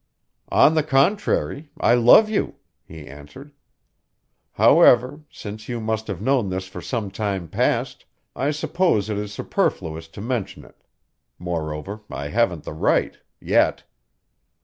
"On the contrary, I love you," he answered. "However, since you must have known this for some time past, I suppose it is superfluous to mention it. Moreover, I haven't the right yet."